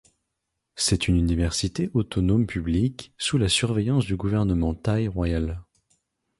C'est une université autonome publique, sous la surveillance du gouvernement thaï royal.